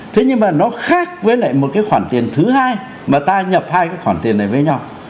thế nhưng mà nó khác với lại một cái khoản tiền thứ hai mà ta nhập hai cái khoản tiền này với nhau